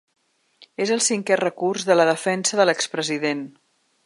És el cinquè recurs de la defensa de l’ex-president.